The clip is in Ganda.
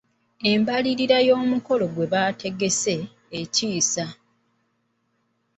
Embalirira y’omukolo gye baategese etiisa.